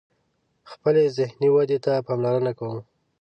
خپلی ذهنی ودي ته پاملرنه کوم